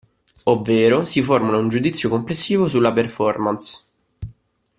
Ovvero si formula un "giudizio" complessivo sulla performance.